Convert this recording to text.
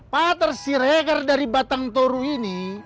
patar si rekar dari batang toru ini